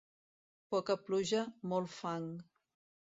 Poca pluja, molt fang.